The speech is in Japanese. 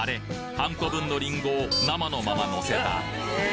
半個分のリンゴを生のままのせた！